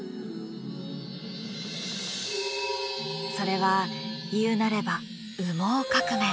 それは言うなれば羽毛革命。